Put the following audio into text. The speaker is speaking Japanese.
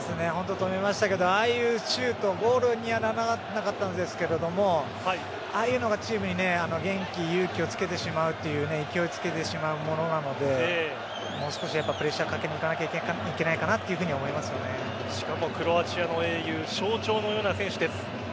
止めましたが、ああいうシュートゴールにはならなかったんですがああいうのはチームに元気、勇気をつけてしまう勢いつけてしまうものなのでもう少しプレッシャーをかけに行かなきゃいけないかなとしかもクロアチアの英雄象徴のような選手です。